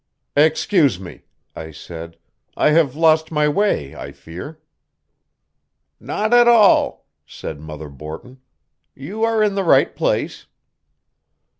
"Excuse me," I said, "I have lost my way, I fear." "Not at all," said Mother Borton. "You are in the right place."